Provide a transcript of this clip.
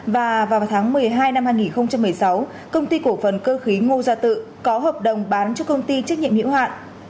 và vào tháng một mươi hai năm hai nghìn một mươi sáu công ty cổ phần cơ khí ngô gia tự có hợp đồng bán cho công ty trách nhiệm hiệu hạn